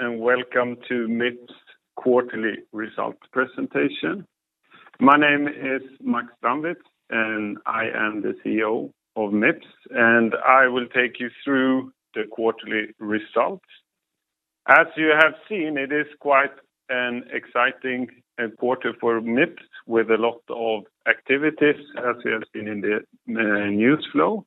Welcome to Mips quarterly results presentation. My name is Max Strandwitz and I am the CEO of Mips, and I will take you through the quarterly results. As you have seen, it is quite an exciting quarter for Mips with a lot of activities, as you have seen in the news flow.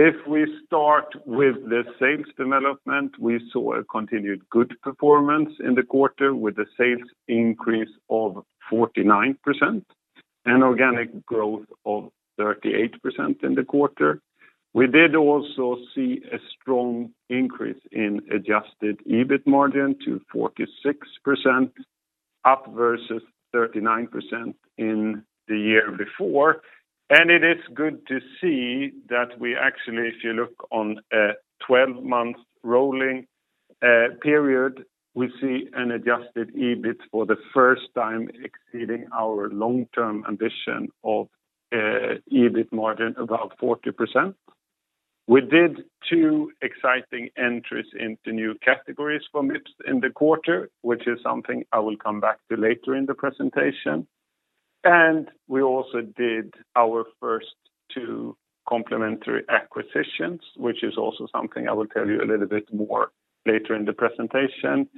If we start with the sales development, we saw a continued good performance in the quarter with a sales increase of 49% and organic growth of 38% in the quarter. We did also see a strong increase in adjusted EBIT margin to 46%, up versus 39% in the year before. It is good to see that we actually, if you look on a 12-month rolling period, we see an adjusted EBIT for the first time exceeding our long-term ambition of a EBIT margin about 40%. We did two exciting entries into new categories for Mips in the quarter, which is something I will come back to later in the presentation. We also did our first two complementary acquisitions, which is also something I will tell you a little bit more later in the presentation.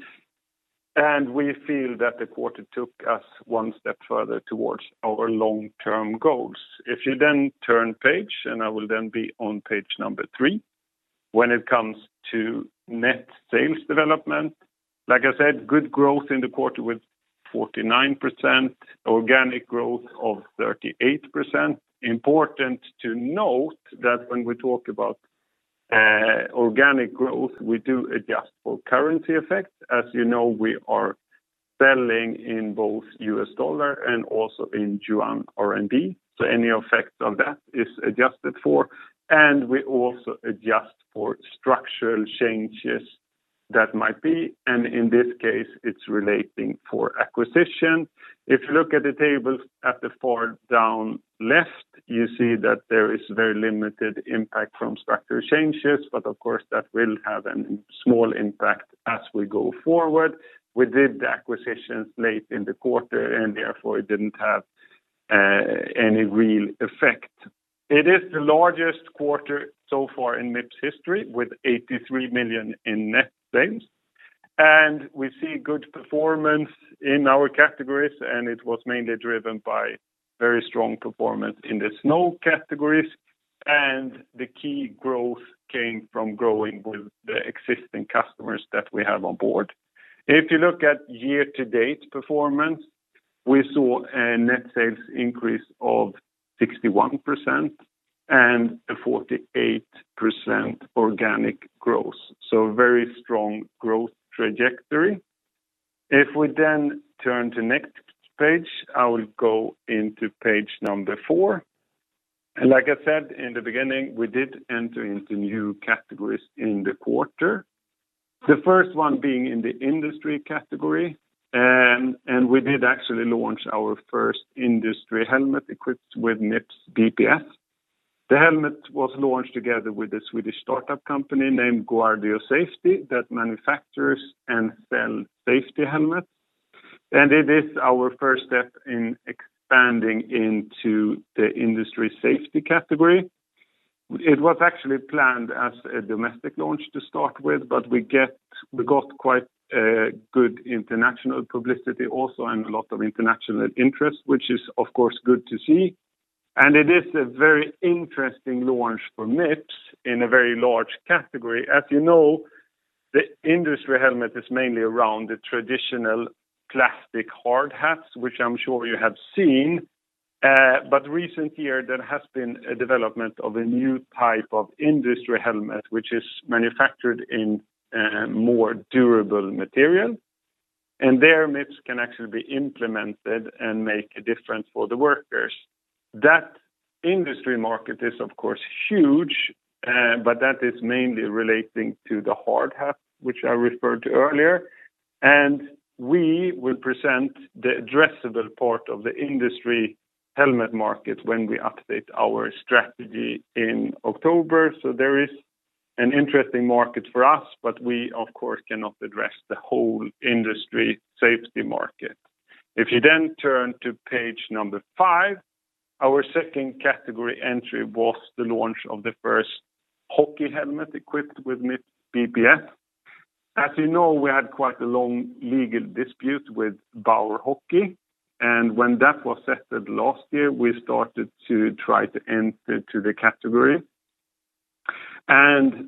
We feel that the quarter took us one step further towards our long-term goals. If you then turn page, I will then be on page number three. When it comes to net sales development, like I said, good growth in the quarter with 49%, organic growth of 38%. Important to note that when we talk about organic growth, we do adjust for currency effects. As you know, we are selling in both U.S. dollar and also in yuan RMB, so any effect of that is adjusted for, and we also adjust for structural changes that might be, and in this case, it's relating to acquisition. If you look at the table at the far down left, you see that there is very limited impact from structural changes, but of course that will have an small impact as we go forward. We did the acquisitions late in the quarter, and therefore it didn't have any real effect. It is the largest quarter so far in Mips history with 83 million in net sales. We see good performance in our categories, and it was mainly driven by very strong performance in the snow categories, and the key growth came from growing with the existing customers that we have on board. If you look at year-to-date performance, we saw a net sales increase of 61% and a 48% organic growth. Very strong growth trajectory. If we turn to next page, I will go into page number four. Like I said, in the beginning, we did enter into new categories in the quarter. The first one being in the industry category, we did actually launch our first industry helmet equipped with Mips BPS. The helmet was launched together with a Swedish startup company named Guardio that manufactures and sell safety helmets. It is our first step in expanding into the industry safety category. It was actually planned as a domestic launch to start with, we got quite a good international publicity also and a lot of international interest, which is, of course, good to see. It is a very interesting launch for Mips in a very large category. As you know, the industry helmet is mainly around the traditional classic hard hats, which I'm sure you have seen. Recent year, there has been a development of a new type of industry helmet, which is manufactured in a more durable material. There Mips can actually be implemented and make a difference for the workers. That industry market is, of course, huge, but that is mainly relating to the hard hat, which I referred to earlier. We will present the addressable part of the industry helmet market when we update our strategy in October. There is an interesting market for us, but we of course, cannot address the whole industry safety market. If you then turn to page number five, our second category entry was the launch of the first hockey helmet equipped with Mips BPS. As you know, we had quite a long legal dispute with Bauer Hockey, and when that was settled last year, we started to try to enter to the category.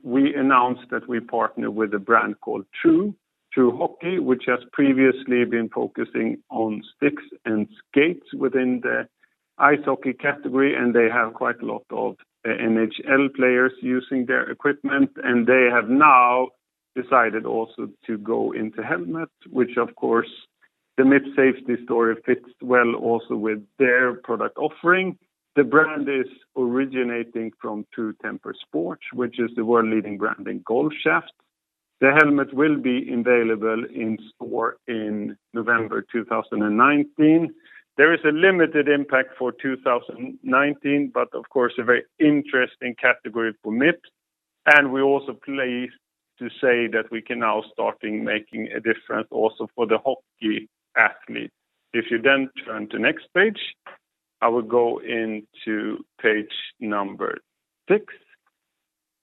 We announced that we partner with a brand called True Hockey, which has previously been focusing on sticks and skates within the ice hockey category, and they have quite a lot of NHL players using their equipment, and they have now decided also to go into helmets. Of course, the Mips safety story fits well also with their product offering. The brand is originating from True Temper Sports, which is the world leading brand in golf shaft. The helmet will be available in store in November 2019. There is a limited impact for 2019, but of course, a very interesting category for Mips. We're also pleased to say that we can now start making a difference also for the hockey athletes. If you turn to next page, I will go into page six.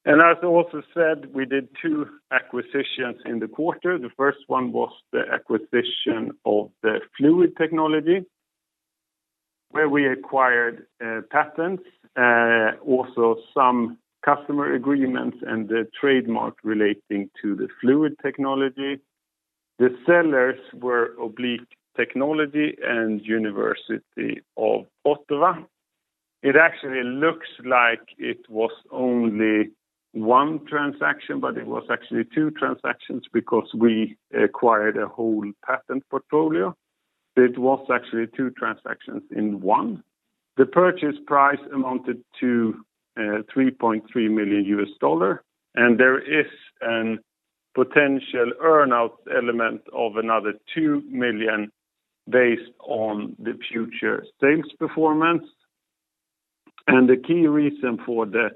As I also said, we did two acquisitions in the quarter. The first one was the acquisition of the FLUID Technology, where we acquired patents, also some customer agreements and the trademark relating to the FLUID Technology. The sellers were Oblique Technology and University of Ottawa. It actually looks like it was only one transaction, it was actually two transactions because we acquired a whole patent portfolio. It was actually two transactions in one. The purchase price amounted to $3.3 million, there is a potential earn-out element of another two million based on the future sales performance. The key reason for the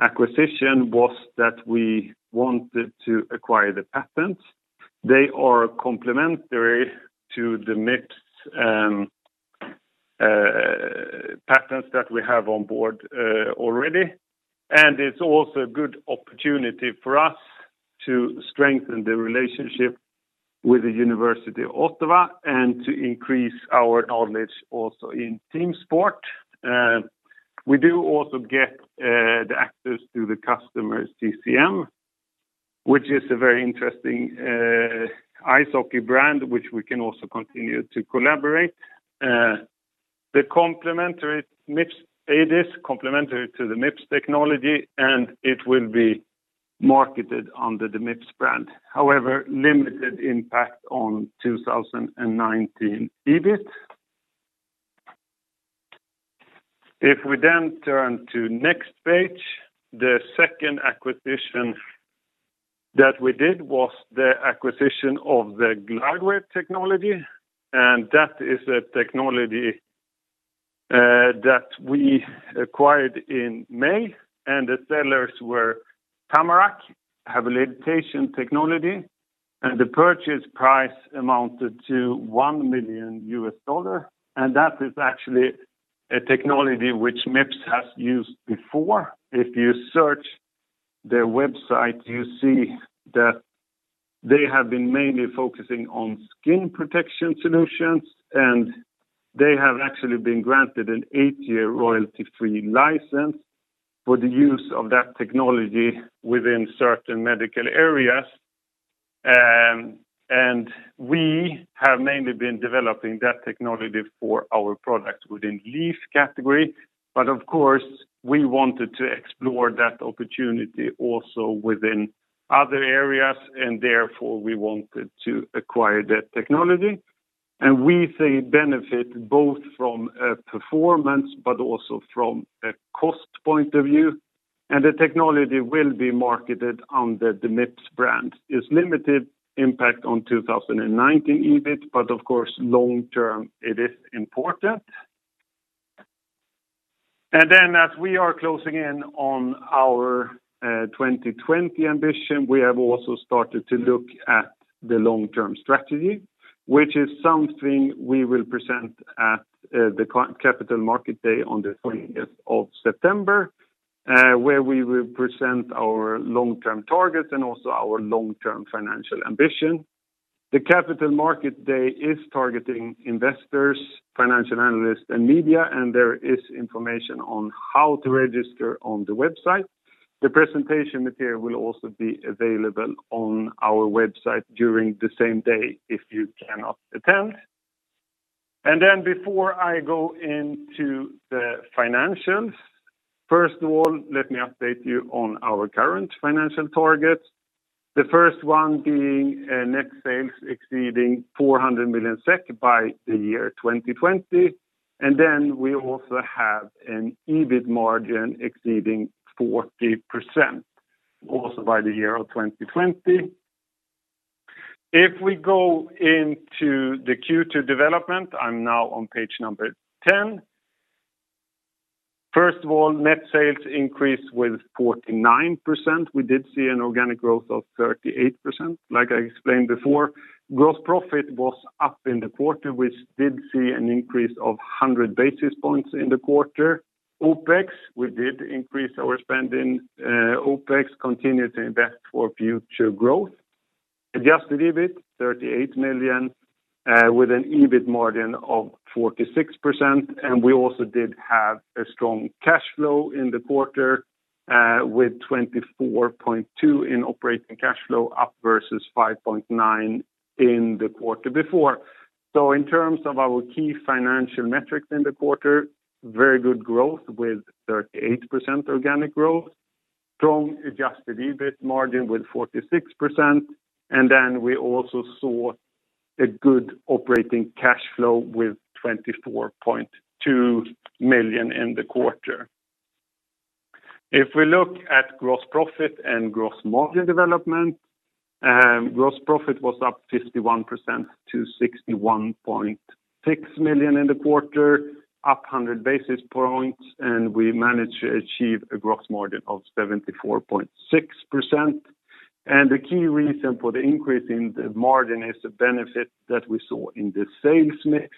acquisition was that we wanted to acquire the patents. They are complementary to the Mips patents that we have on board already, and it's also a good opportunity for us to strengthen the relationship with the University of Ottawa and to increase our knowledge also in team sport. We do also get the access to the customer CCM, which is a very interesting ice hockey brand, which we can also continue to collaborate. It is complementary to the Mips technology, and it will be marketed under the Mips brand. However, limited impact on 2019 EBIT. We then turn to next page. The second acquisition that we did was the acquisition of the GlideWear technology. That is a technology that we acquired in May. The sellers were Tamarack Habilitation Technologies. The purchase price amounted to $1 million. That is actually a technology which Mips has used before. You search their website, you see that they have been mainly focusing on skin protection solutions. They have actually been granted an 8-year royalty-free license for the use of that technology within certain medical areas. We have mainly been developing that technology for our product within leaf category. Of course, we wanted to explore that opportunity also within other areas. Therefore, we wanted to acquire that technology. We see benefit both from a performance but also from a cost point of view, and the technology will be marketed under the Mips brand. It's limited impact on 2019 EBIT, but of course, long term, it is important. As we are closing in on our 2020 ambition, we have also started to look at the long-term strategy, which is something we will present at the Capital Markets Day on the 20th of September, where we will present our long-term targets and also our long-term financial ambition. The Capital Markets Day is targeting investors, financial analysts, and media, and there is information on how to register on the website. The presentation material will also be available on our website during the same day if you cannot attend. Before I go into the financials, first of all, let me update you on our current financial targets. The first one being net sales exceeding 400 million SEK by the year 2020, and then we also have an EBIT margin exceeding 40%, also by the year of 2020. If we go into the Q2 development, I'm now on page number 10. First of all, net sales increased with 49%. We did see an organic growth of 38%. Like I explained before, gross profit was up in the quarter. We did see an increase of 100 basis points in the quarter. OPEX, we did increase our spend in OPEX, continue to invest for future growth. Adjusted EBIT, 38 million, with an EBIT margin of 46%, and we also did have a strong cash flow in the quarter, with 24.2 in operating cash flow up versus 5.9 in the quarter before. In terms of our key financial metrics in the quarter, very good growth with 38% organic growth, strong adjusted EBIT margin with 46%, and we also saw a good operating cash flow with 24.2 million in the quarter. If we look at gross profit and gross margin development. Gross profit was up 51% to 61.6 million in the quarter, up 100 basis points, and we managed to achieve a gross margin of 74.6%. The key reason for the increase in the margin is the benefit that we saw in the sales mix.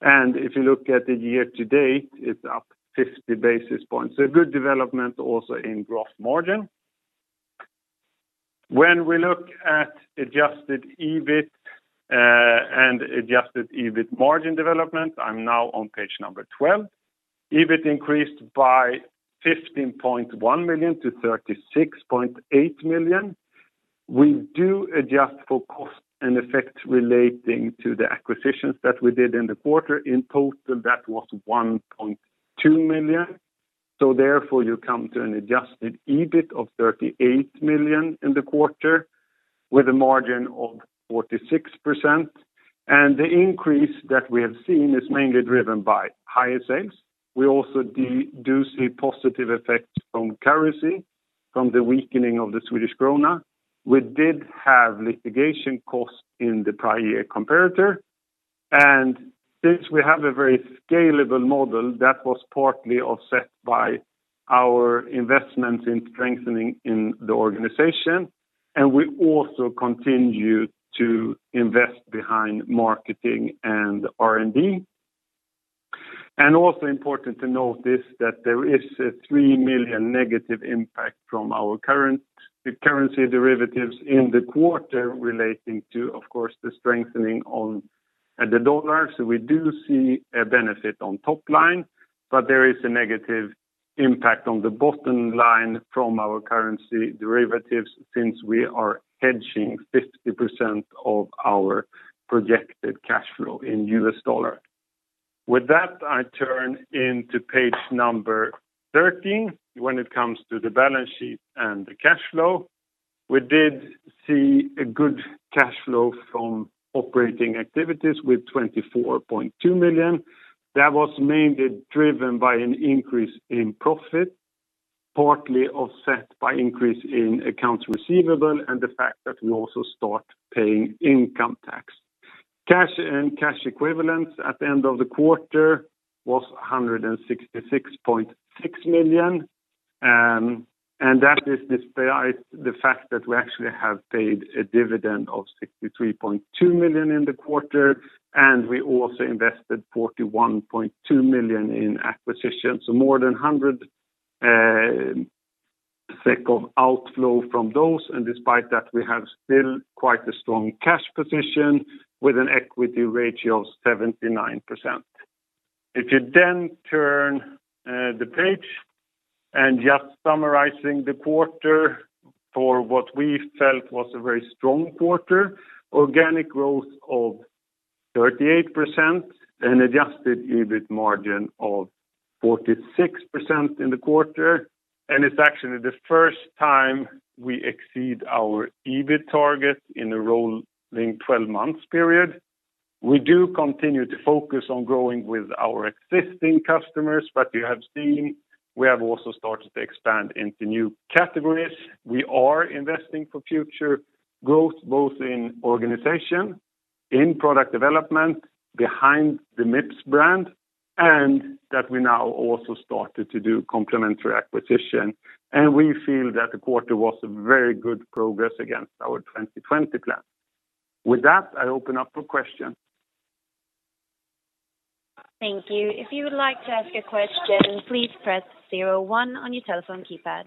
If you look at the year to date, it is up 50 basis points. A good development also in gross margin. When we look at adjusted EBIT and adjusted EBIT margin development, I am now on page number 12. EBIT increased by 15.1 million to 36.8 million. We do adjust for cost and effect relating to the acquisitions that we did in the quarter. In total, that was 1.2 million. Therefore, you come to an adjusted EBIT of 38 million in the quarter with a margin of 46%. The increase that we have seen is mainly driven by higher sales. We also do see positive effects from currency, from the weakening of the Swedish krona. We did have litigation costs in the prior year comparator. Since we have a very scalable model, that was partly offset by our investments in strengthening in the organization, and we also continue to invest behind marketing and R&D. Also important to notice that there is a 3 million negative impact from our currency derivatives in the quarter relating to, of course, the strengthening of the U.S. dollar. We do see a benefit on top line, but there is a negative impact on the bottom line from our currency derivatives since we are hedging 50% of our projected cash flow in US dollar. With that, I turn into page number 13. When it comes to the balance sheet and the cash flow, we did see a good cash flow from operating activities with 24.2 million. That was mainly driven by an increase in profit, partly offset by increase in accounts receivable and the fact that we also start paying income tax. Cash and cash equivalents at the end of the quarter was 166.6 million. That is despite the fact that we actually have paid a dividend of 63.2 million in the quarter, and we also invested 41.2 million in acquisitions. More than 100 SEK of outflow from those, and despite that, we have still quite a strong cash position with an equity ratio of 79%. If you turn the page and just summarizing the quarter for what we felt was a very strong quarter. Organic growth of 38% and adjusted EBIT margin of 46% in the quarter. It's actually the first time we exceed our EBIT target in a rolling 12 months period. We do continue to focus on growing with our existing customers, but you have seen we have also started to expand into new categories. We are investing for future growth, both in organization, in product development behind the Mips brand, and that we now also started to do complementary acquisition. We feel that the quarter was a very good progress against our 2020 plan. With that, I open up for questions. Thank you. If you would like to ask a question, please press 01 on your telephone keypad.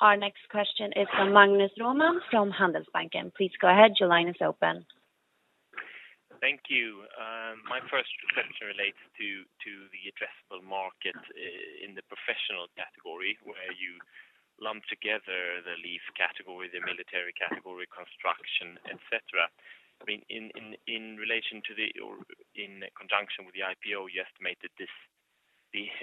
Our next question is from Magnus Råman from Handelsbanken. Please go ahead. Your line is open. Thank you. My first question relates to the addressable market in the professional category where you lump together the leaf category, the military category, construction, et cetera. In conjunction with the IPO, you estimated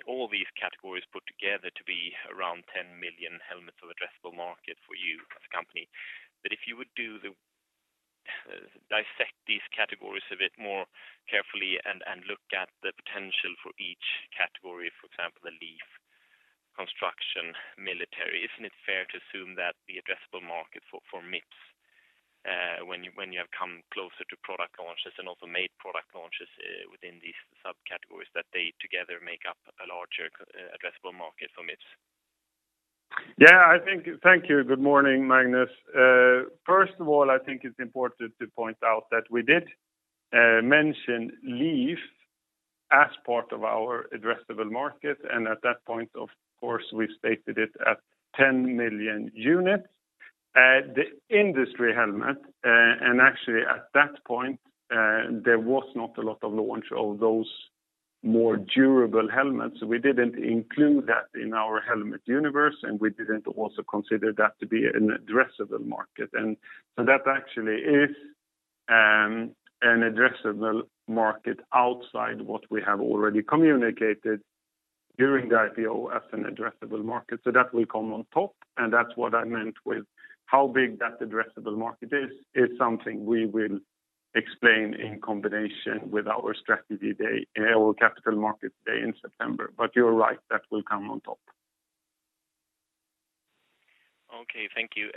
all these categories put together to be around 10 million helmets of addressable market for you as a company. If you would dissect these categories a bit more carefully and look at the potential for each category, for example, the leaf, construction, military, isn't it fair to assume that the addressable market for Mips, when you have come closer to product launches and also made product launches within these subcategories, that they together make up a larger addressable market for Mips? Yeah. Thank you. Good morning, Magnus. First of all, I think it's important to point out that we did mention leaf as part of our addressable market, and at that point, of course, we stated it at 10 million units. Actually at that point, there was not a lot of launch of those more durable helmets. We didn't include that in our helmet universe, and we didn't also consider that to be an addressable market. That actually is an addressable market outside what we have already communicated during the IPO as an addressable market. That will come on top, and that's what I meant with how big that addressable market is something we will explain in combination with our strategy day in our Capital Markets Day in September. You're right, that will come on top. Okay, thank you.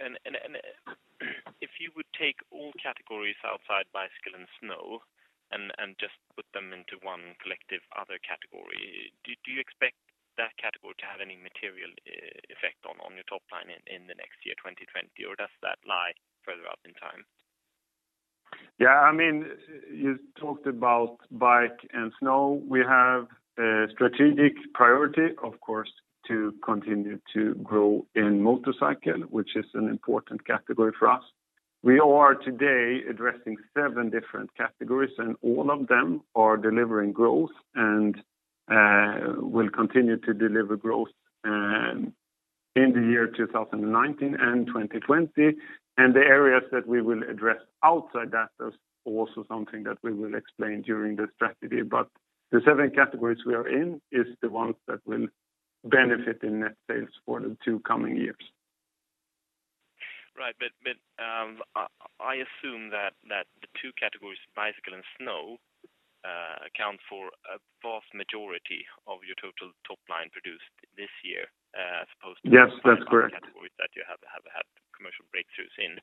If you would take all categories outside bicycle and snow and just put them into one collective other category, do you expect that category to have any material effect on your top line in the next year, 2020, or does that lie further out in time? Yeah. You talked about bike and snow. We have a strategic priority, of course, to continue to grow in motorcycle, which is an important category for us. We are today addressing 7 different categories, and all of them are delivering growth and will continue to deliver growth in the year 2019 and 2020. The areas that we will address outside that is also something that we will explain during the strategy day. The 7 categories we are in is the ones that will benefit in net sales for the two coming years. Right. I assume that the two categories, bicycle and snow, account for a vast majority of your total top line produced this year as opposed to. Yes, that's correct. other categories that you have had commercial breakthroughs in.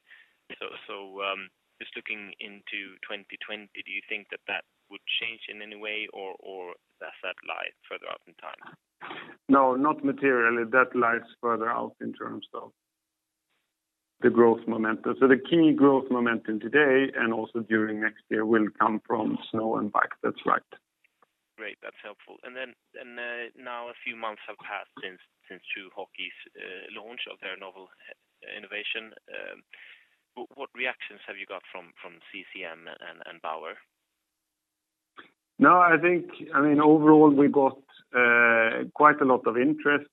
Just looking into 2020, do you think that that would change in any way, or does that lie further out in time? No, not materially. That lies further out in terms of the growth momentum. The key growth momentum today and also during next year will come from snow and bike. That's right. Great. That is helpful. Now a few months have passed since True Hockey's launch of their novel innovation. What reactions have you got from CCM and Bauer? No, I think, overall, we got quite a lot of interest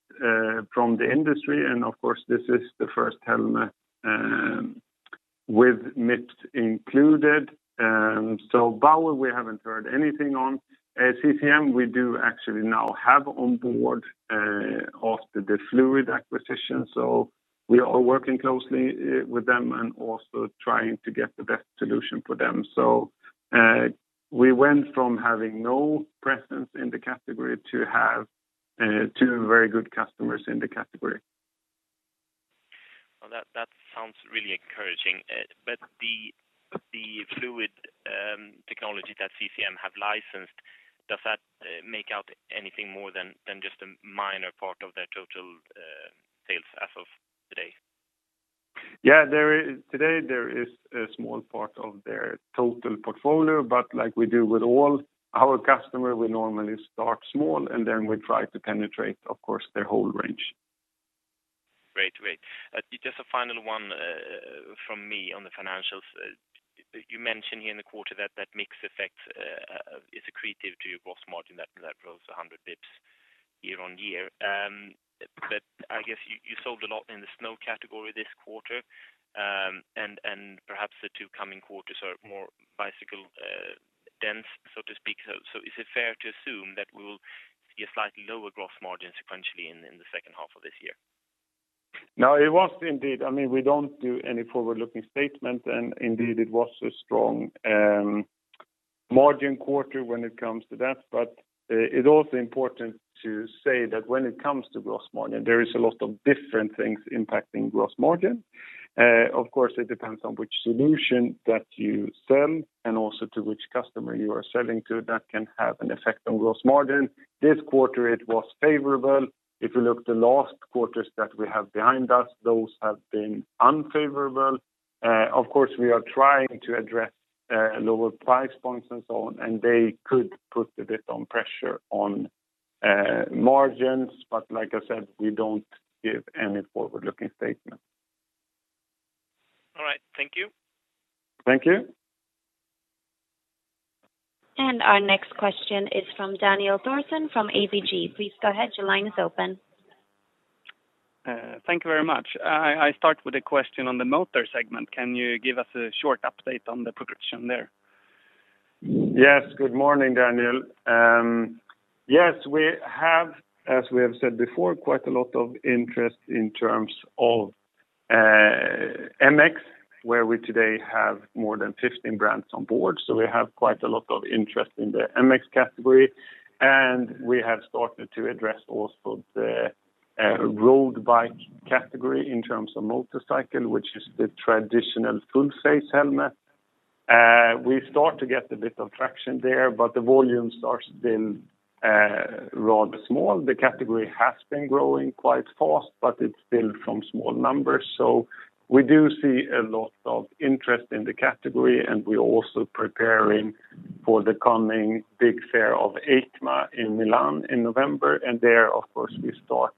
from the industry, and of course, this is the first helmet with Mips included. Bauer, we haven't heard anything on. CCM, we do actually now have on board after the FLUID acquisition. We are working closely with them and also trying to get the best solution for them. We went from having no presence in the category to have two very good customers in the category. Well, that sounds really encouraging. The FLUID technology that CCM have licensed, does that make out anything more than just a minor part of their total sales as of today? Yeah. Today, there is a small part of their total portfolio, but like we do with all our customers, we normally start small, and then we try to penetrate, of course, their whole range. Great. Just a final one from me on the financials. You mentioned here in the quarter that that mix effect is accretive to your gross margin that rose 100 bps year-on-year. I guess you sold a lot in the snow category this quarter, and perhaps the two coming quarters are more bicycle dense, so to speak. Is it fair to assume that we will see a slightly lower gross margin sequentially in the second half of this year? No, it was indeed. We don't do any forward-looking statement, indeed, it was a strong margin quarter when it comes to that. It's also important to say that when it comes to gross margin, there is a lot of different things impacting gross margin. Of course, it depends on which solution that you sell and also to which customer you are selling to that can have an effect on gross margin. This quarter it was favorable. If you look the last quarters that we have behind us, those have been unfavorable. Of course, we are trying to address lower price points and so on, they could put a bit on pressure on margins. Like I said, we don't give any forward-looking statement. All right. Thank you. Thank you. Our next question is from Daniel Thorsson from ABG. Please go ahead. Your line is open. Thank you very much. I start with a question on the motor segment. Can you give us a short update on the progression there? Good morning, Daniel. We have, as we have said before, quite a lot of interest in terms of MX, where we today have more than 15 brands on board. We have quite a lot of interest in the MX category, and we have started to address also the road bike category in terms of motorcycle, which is the traditional full-face helmet. We start to get a bit of traction there, the volume has been rather small. The category has been growing quite fast, it's still from small numbers. We do see a lot of interest in the category, and we're also preparing for the coming big fair of EICMA in Milan in November. There, of course, we start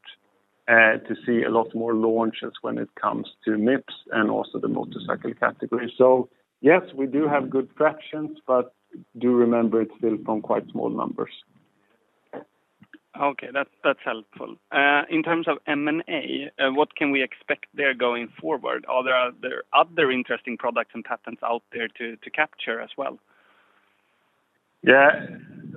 to see a lot more launches when it comes to Mips and also the motorcycle category. Yes, we do have good traction, but do remember it's still from quite small numbers. Okay. That's helpful. In terms of M&A, what can we expect there going forward? Are there other interesting products and patents out there to capture as well? Yeah.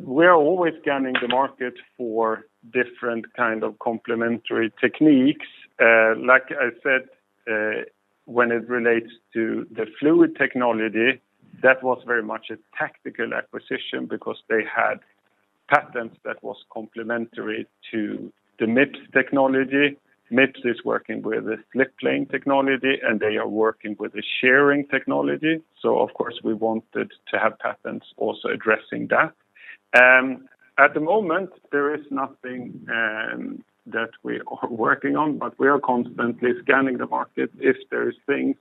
We are always scanning the market for different kind of complementary techniques. Like I said, when it relates to the FLUID technology, that was very much a tactical acquisition because they had patents that was complementary to the Mips technology. Mips is working with a slip plane technology, and they are working with a shearing technology. Of course, we wanted to have patents also addressing that. At the moment, there is nothing that we are working on, but we are constantly scanning the market if there's things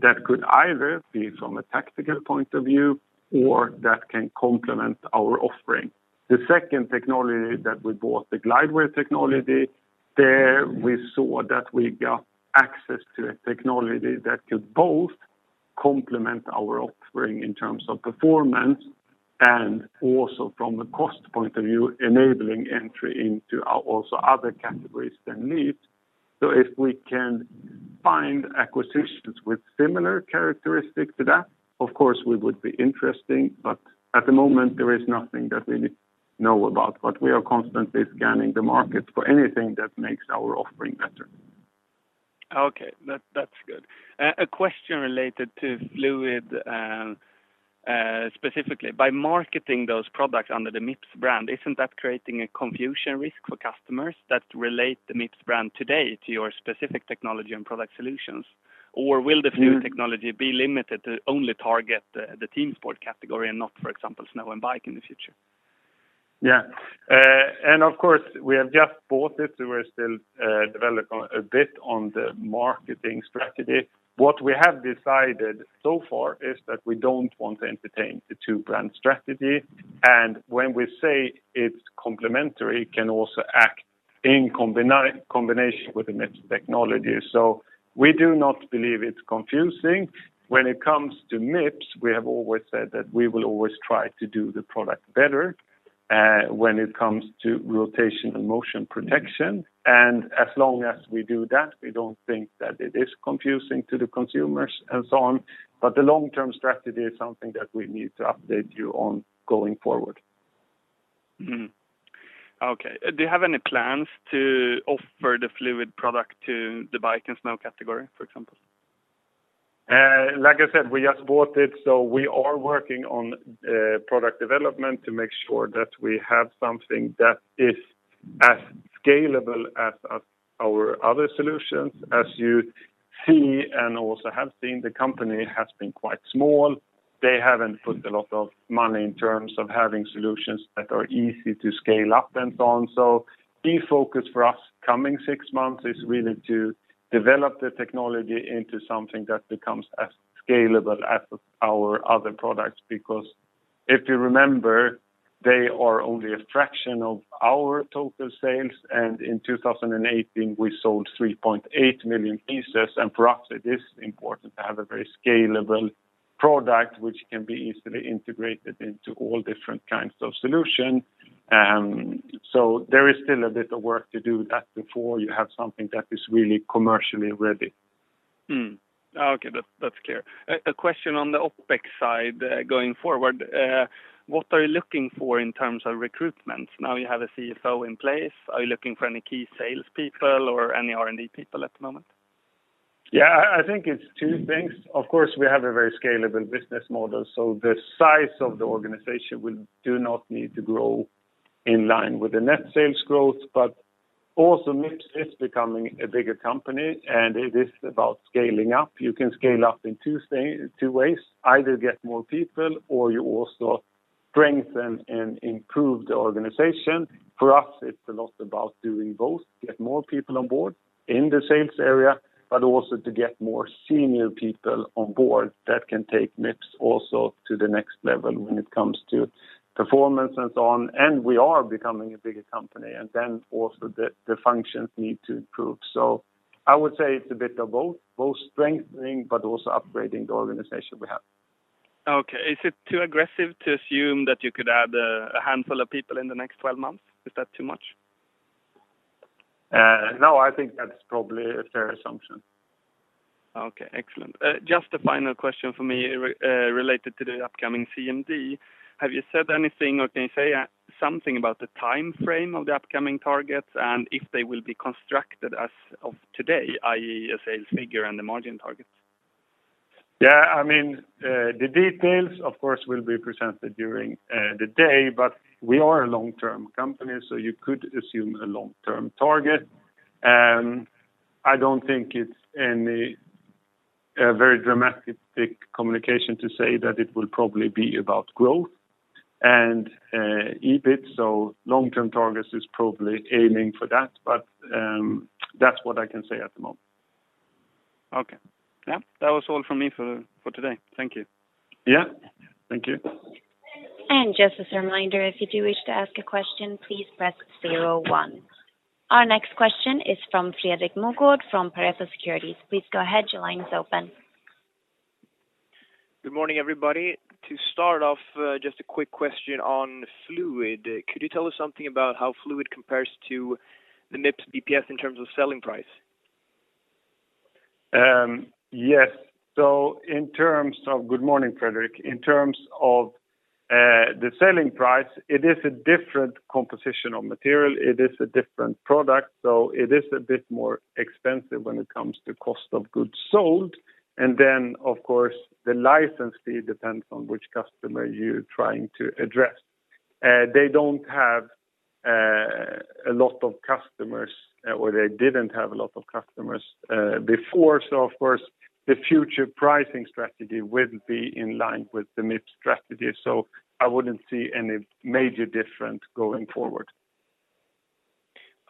that could either be from a tactical point of view or that can complement our offering. The second technology that we bought, the GlideWear technology, there we saw that we got access to a technology that could both complement our offering in terms of performance and also from a cost point of view, enabling entry into also other categories than Mips. If we can find acquisitions with similar characteristics to that, of course, we would be interested, but at the moment, there is nothing that we know about. We are constantly scanning the market for anything that makes our offering better. Okay. That's good. A question related to FLUID, specifically. By marketing those products under the Mips brand, isn't that creating a confusion risk for customers that relate the Mips brand today to your specific technology and product solutions? Will the FLUID technology be limited to only target the team sport category and not, for example, snow and bike in the future? Yeah. Of course, we have just bought it, so we're still developing a bit on the marketing strategy. What we have decided so far is that we don't want to entertain the two-brand strategy, and when we say it's complementary, it can also act in combination with the Mips technology. We do not believe it's confusing. When it comes to Mips, we have always said that we will always try to do the product better when it comes to rotation and motion protection. As long as we do that, we don't think that it is confusing to the consumers and so on. The long-term strategy is something that we need to update you on going forward. Okay. Do you have any plans to offer the FLUID product to the bike and snow category, for example? Like I said, we just bought it, so we are working on product development to make sure that we have something that is as scalable as our other solutions. As you see and also have seen, the company has been quite small. They haven't put a lot of money in terms of having solutions that are easy to scale up and so on. Key focus for us coming six months is really to develop the technology into something that becomes as scalable as our other products because if you remember, they are only a fraction of our total sales, and in 2018, we sold 3.8 million pieces, and for us, it is important to have a very scalable product which can be easily integrated into all different kinds of solution. There is still a bit of work to do that before you have something that is really commercially ready. Okay. That's clear. A question on the OPEX side going forward. What are you looking for in terms of recruitment? Now you have a CFO in place, are you looking for any key sales people or any R&D people at the moment? I think it's two things. Of course, we have a very scalable business model, so the size of the organization will do not need to grow in line with the net sales growth, also Mips is becoming a bigger company, it is about scaling up. You can scale up in two ways. Either get more people or you also strengthen and improve the organization. For us, it's a lot about doing both, get more people on board in the sales area, also to get more senior people on board that can take Mips also to the next level when it comes to performance and so on. We are becoming a bigger company, then also the functions need to improve. I would say it's a bit of both strengthening also upgrading the organization we have. Okay. Is it too aggressive to assume that you could add a handful of people in the next 12 months? Is that too much? No, I think that's probably a fair assumption. Okay. Excellent. Just a final question from me related to the upcoming CMD. Have you said anything, or can you say something about the timeframe of the upcoming targets and if they will be constructed as of today, i.e. a sales figure and the margin targets? Yeah. The details, of course, will be presented during the day, but we are a long-term company, so you could assume a long-term target. I don't think it's any very dramatic communication to say that it will probably be about growth and EBIT, so long-term targets is probably aiming for that. That's what I can say at the moment. Okay. Yeah. That was all from me for today. Thank you. Yeah. Thank you. Just as a reminder, if you do wish to ask a question, please press 01. Our next question is from Fredrik Moregård from Pareto Securities. Please go ahead, your line is open. Good morning, everybody. To start off, just a quick question on Fluid. Could you tell us something about how Fluid compares to the Mips BPS in terms of selling price? Yes. Good morning, Fredrik. In terms of the selling price, it is a different composition of material. It is a different product, so it is a bit more expensive when it comes to cost of goods sold. Then, of course, the license fee depends on which customer you're trying to address. They don't have a lot of customers, or they didn't have a lot of customers before. Of course, the future pricing strategy will be in line with the Mips strategy. I wouldn't see any major difference going forward.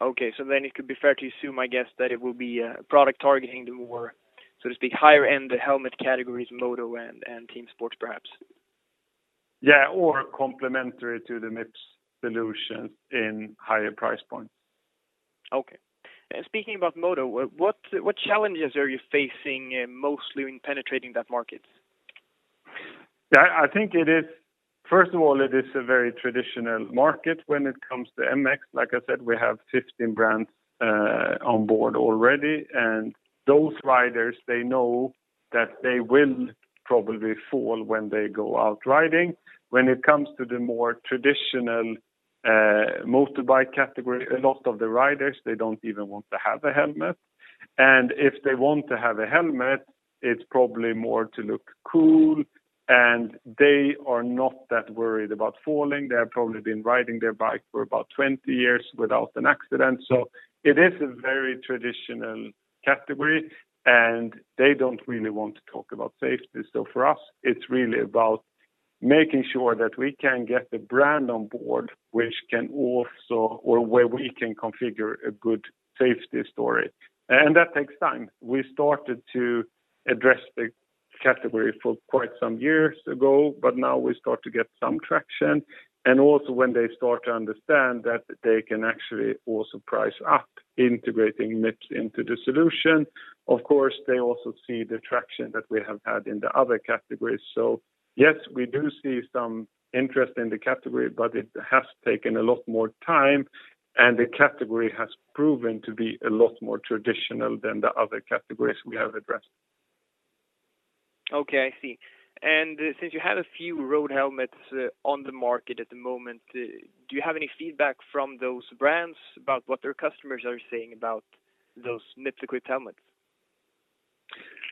Okay. It could be fair to assume, I guess, that it will be a product targeting the more, so to speak, higher-end helmet categories, moto and team sports, perhaps. Yeah. Complementary to the Mips solution in higher price points. Okay. Speaking about moto, what challenges are you facing mostly in penetrating that market? First of all, it is a very traditional market when it comes to MX. Like I said, we have 15 brands on board already, and those riders, they know that they will probably fall when they go out riding. When it comes to the more traditional motorbike category, a lot of the riders, they don't even want to have a helmet. If they want to have a helmet, it's probably more to look cool, and they are not that worried about falling. They have probably been riding their bike for about 20 years without an accident. It is a very traditional category, and they don't really want to talk about safety. For us, it's really about making sure that we can get the brand on board, where we can configure a good safety story. That takes time. We started to address the category for quite some years ago, but now we start to get some traction. Also when they start to understand that they can actually also price up integrating Mips into the solution. Of course, they also see the traction that we have had in the other categories. Yes, we do see some interest in the category, but it has taken a lot more time, and the category has proven to be a lot more traditional than the other categories we have addressed. Okay, I see. Since you have a few road helmets on the market at the moment, do you have any feedback from those brands about what their customers are saying about those Mips-equipped helmets?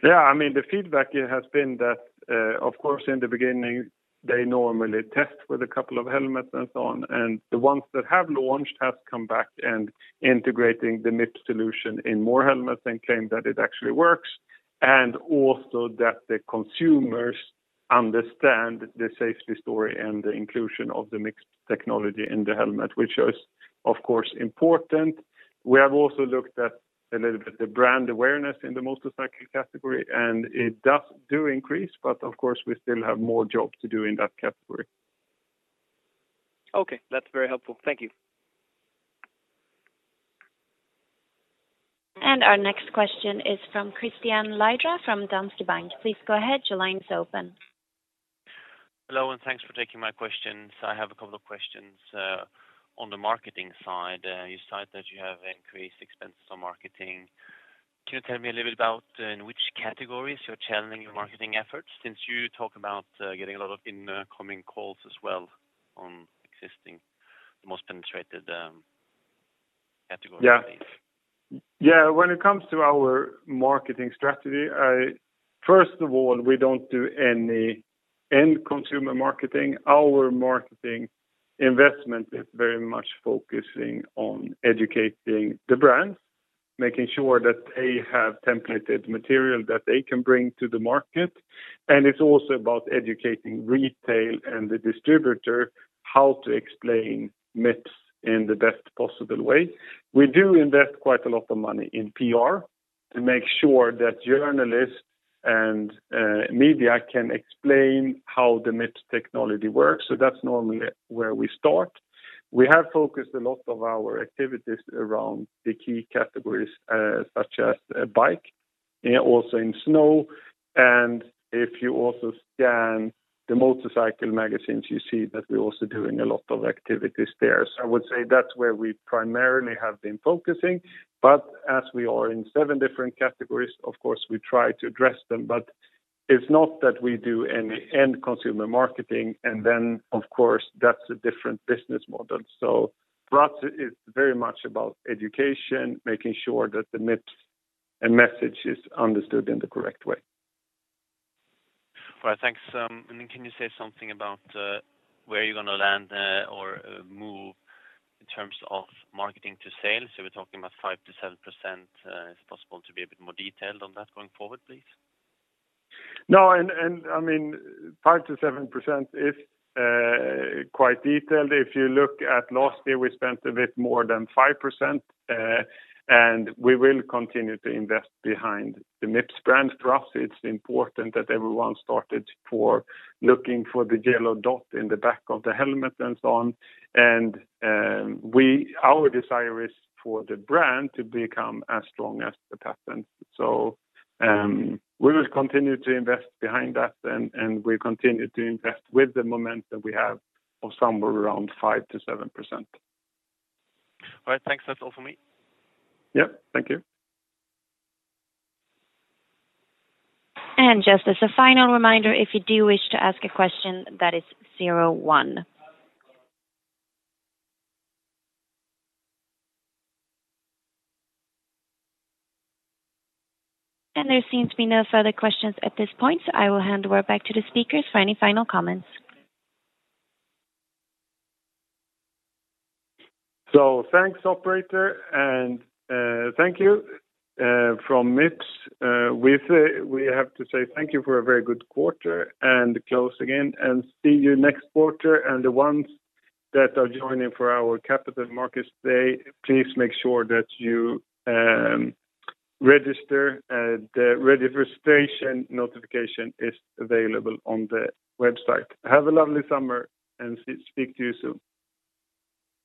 Yeah. The feedback has been that, of course, in the beginning, they normally test with a couple of helmets and so on, and the ones that have launched have come back and integrating the Mips solution in more helmets and claim that it actually works, and also that the consumers understand the safety story and the inclusion of the Mips technology in the helmet, which is, of course, important. We have also looked at a little bit the brand awareness in the motorcycle category, and it does do increase, but of course, we still have more job to do in that category. Okay. That's very helpful. Thank you. Our next question is from Christian Leira from DNB. Please go ahead. Your line is open. Hello, thanks for taking my questions. I have a couple of questions on the marketing side. You said that you have increased expenses on marketing. Can you tell me a little bit about in which categories you're channeling your marketing efforts, since you talk about getting a lot of incoming calls as well on existing, the most penetrated categories, please? When it comes to our marketing strategy, first of all, we don't do any end consumer marketing. Our marketing investment is very much focusing on educating the brands, making sure that they have templated material that they can bring to the market. It's also about educating retail and the distributor how to explain Mips in the best possible way. We do invest quite a lot of money in PR to make sure that journalists and media can explain how the Mips technology works. That's normally where we start. We have focused a lot of our activities around the key categories, such as bike and also in snow. If you also scan the motorcycle magazines, you see that we're also doing a lot of activities there. I would say that's where we primarily have been focusing. As we are in 7 different categories, of course, we try to address them, but it's not that we do any end consumer marketing, and then, of course, that's a different business model. For us, it's very much about education, making sure that the Mips message is understood in the correct way. All right. Thanks. Can you say something about where you're going to land or move in terms of marketing to sales? We're talking about 5%-7%. Is it possible to be a bit more detailed on that going forward, please? No. 5%-7% is quite detailed. If you look at last year, we spent a bit more than 5%, and we will continue to invest behind the Mips brand. For us, it's important that everyone started looking for the yellow dot in the back of the helmet and so on. Our desire is for the brand to become as strong as the patent. We will continue to invest behind that, and we'll continue to invest with the momentum we have of somewhere around 5%-7%. All right. Thanks. That's all for me. Yep. Thank you. Just as a final reminder, if you do wish to ask a question, that is zero one. There seems to be no further questions at this point, I will hand over back to the speakers for any final comments. Thanks, operator, and thank you from Mips. We have to say thank you for a very good quarter and close again and see you next quarter. The ones that are joining for our Capital Markets Day, please make sure that you register. The registration notification is available on the website. Have a lovely summer, and speak to you soon.